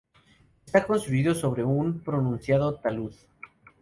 Está construido sobre un pronunciado talud.